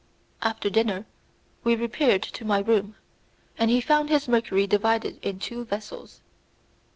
After dinner we repaired to my room, and he found his mercury divided in two vessels.